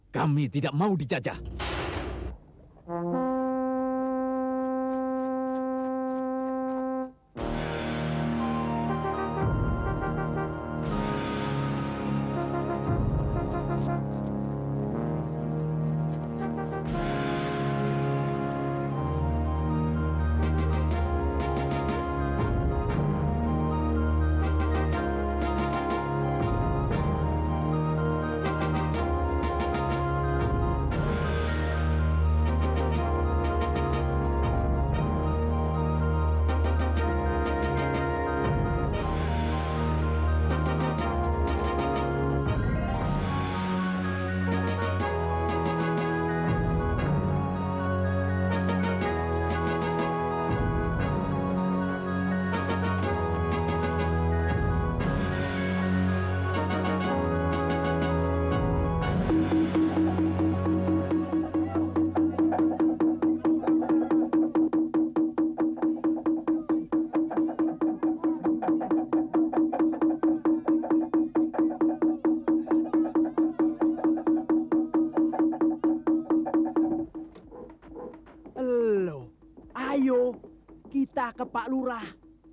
kami tidak mau dijajah